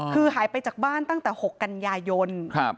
คือหายไปจากบ้านตั้งแต่๖กันยายน